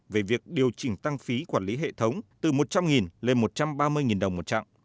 về việc điều chỉnh tăng phí quản lý hệ thống từ một trăm linh nghìn đồng lên một trăm ba mươi nghìn đồng một trạng